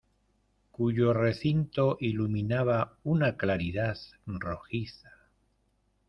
Cuyo recinto iluminaba una claridad rojiza.